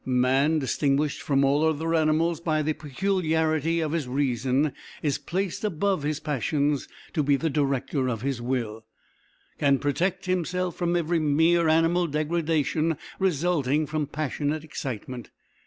Man, distinguished from all other animals by the peculiarity of his reason, is placed above his passions to be the director of his will, can protect himself from every mere animal degradation resulting from passionate excitement.